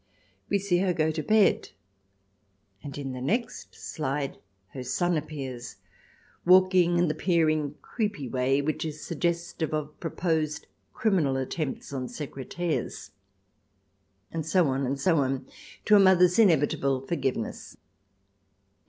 We see her go to bed. And in the next slide her son appears, walking in the peering, creepy way which is sug gestive of proposed criminal attempts on secretaires. ... And so on and so on, to a mother's inevitable forgiveness.